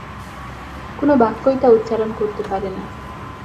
কোন বাক্যই তা উচ্চারণ করতে পারে না।